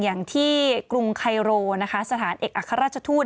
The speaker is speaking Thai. อย่างที่กรุงไคโรนะคะสถานเอกอัครราชทูต